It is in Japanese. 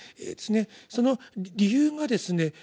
その理由がですね